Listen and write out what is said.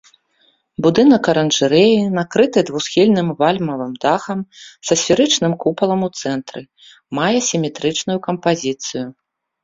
Будынак аранжарэі, накрыты двухсхільным вальмавым дахам са сферычным купалам у цэнтры, мае сіметрычную кампазіцыю.